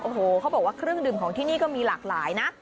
โอ้โหเขาบอกว่าเครื่องดื่มของที่นี่ก็มีหลากหลายนะ